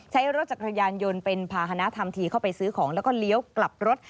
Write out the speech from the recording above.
ใช้รถจักรยานยนต์เป็นภาษณะทำทีเข้าไปซื้อของแล้วก็เลี้ยวกลับรถ